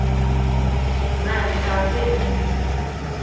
Mēms kā zivs.